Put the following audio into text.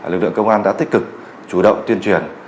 lực lượng công an đã tích cực chủ động tuyên truyền